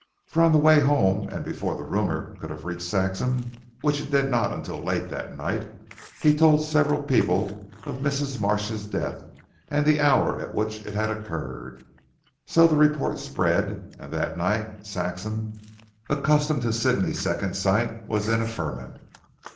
For on the way home and before the rumour could have reached Saxham, which it did not until late that night he told several people of Mrs. Marsh's death and the hour at which it had occurred. So the report spread, and that night Saxham, accustomed to Sidney's second sight, was in a ferment.